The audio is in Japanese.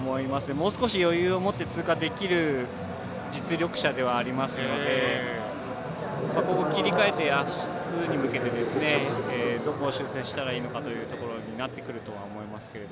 もう少し、余裕を持って通過できる実力者ではありますので切り替えて、あすに向けてどこを修正したらいいのかというところになってくるとは思いますけど。